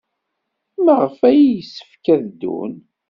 Maɣef ay yessefk ad ddun?